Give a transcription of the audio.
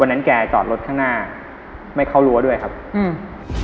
แกจอดรถข้างหน้าไม่เข้ารั้วด้วยครับอืม